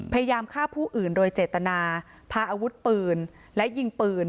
พยายามฆ่าผู้อื่นโดยเจตนาพาอาวุธปืนและยิงปืน